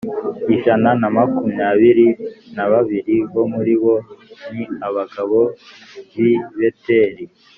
ijana na makumyabiri na babiri bo muribo ni abagabo b i Beteli